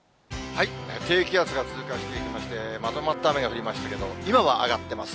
低気圧が通過していきまして、まとまった雨が降りましたけど、今は上がってます。